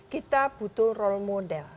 kita butuh role model